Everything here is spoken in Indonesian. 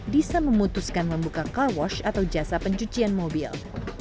disa memutuskan membuka car wash atau jasa pencucian mobil